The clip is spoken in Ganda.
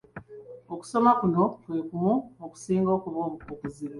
Okusoma kuno kwe kumu okusinga okuba okuzibu.